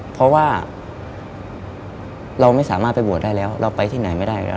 เพราะว่าเราไม่สามารถไปบวชได้แล้วเราไปที่ไหนไม่ได้อยู่แล้ว